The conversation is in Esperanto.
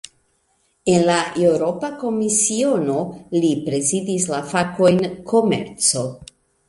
En la Eŭropa Komisiono, li prezidis la fakojn "komerco".